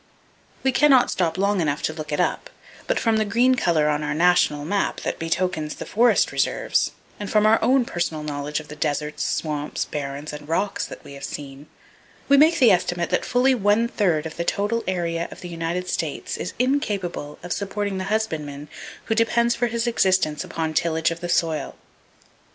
We can not stop long enough to look it up, but from the green color on our national map that betokens the forest reserves, and from our own personal knowledge of the deserts, swamps, barrens and rocks that we have seen, we make the estimate that fully one third of the total area of the United States is incapable of supporting the husbandman who depends for his existence upon tillage of the soil.